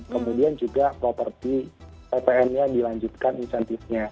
kemudian juga properti ppn nya dilanjutkan insentifnya